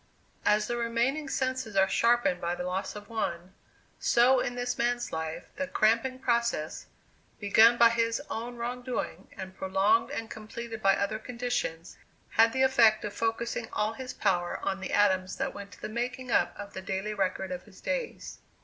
As the remaining senses are sharpened by the loss of one, so in this man's life the cramping process, begun by his own wrongdoing, and prolonged and completed by other conditions, had the effect of focussing all his power on the atoms that went to the making up of the daily record of his days.